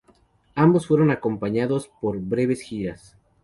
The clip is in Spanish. Ambos fueron acompañados por breves giras.